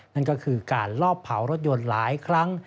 นั่นก็คือการลอบเผารถยนต์หลายครั้ง